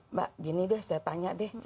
mbak gini deh saya tanya deh